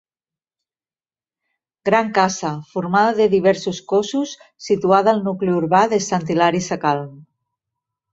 Gran casa, formada de diversos cossos, situada al nucli urbà de Sant Hilari Sacalm.